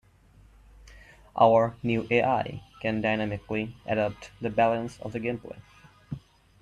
Our new AI can dynamically adapt the balance of the gameplay.